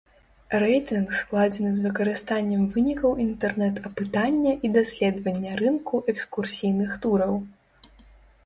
Рэйтынг складзены з выкарыстаннем вынікаў інтэрнэт-апытання і даследавання рынку экскурсійных тураў.